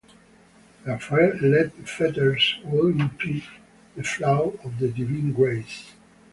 Their fetters would impede the flow of the divine grace.